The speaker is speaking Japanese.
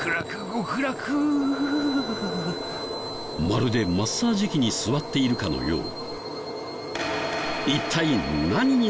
まるでマッサージ機に座っているかのよう。